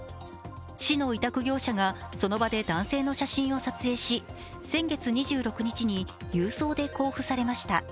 市の委託業者がその場で男性の写真を撮影し先月２６日に郵送で交付されました。